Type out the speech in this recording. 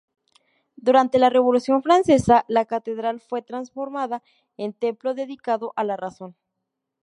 Durante la Revolución francesa, la Catedral fue transformada en templo dedicado a la Razón.